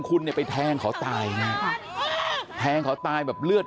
ต้องมาป้องเพื่อนมาปกป้องเพื่อน